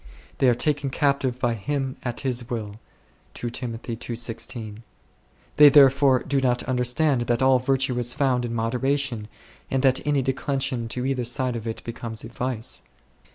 They "are taken captive by him at his will1." They therefore do not understand that all virtue is found in moderation, and that any declension to either side 2 of it becomes a vice.